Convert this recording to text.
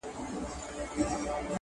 انلاین رسنۍ چټک پرمختګ کوي